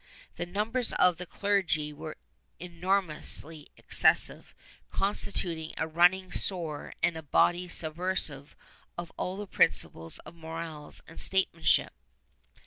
The numbers of the clergy were enormously excessive, constituting a running sore and a body subversive of all the principles of morals and statesmanship.